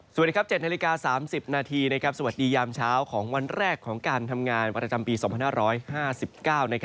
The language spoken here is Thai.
สวัสดีครับ๗นาฬิกา๓๐นาทีสวัสดียามเช้าของวันแรกของการทำงานประจำปี๒๕๕๙